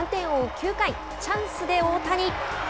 ９回、チャンスで大谷。